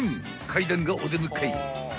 階段がお出迎え］